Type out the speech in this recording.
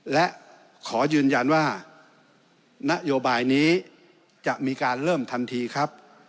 และขอยืนยันว่านโยบายนี้จะมีการเริ่มทันทีครับ